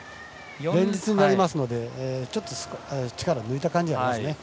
連日になりますのでちょっと力を抜いた感じがありますね。